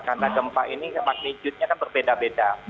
karena gempa ini magnitude nya kan berbeda beda